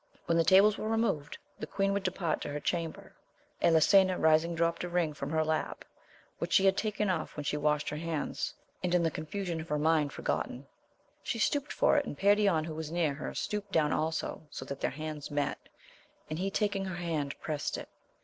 When the tables were removed, the queen would depart to her chamber ; Elisena rising dropt a ring from her lap, which she had taken off when she washed her hands, and in her confusion of mind for 1—2 4 AMADIS OF GAUL. gotten. She stooped for it and Perion who was near her stooped down also, so that their hands met, and he taking her hand prest it.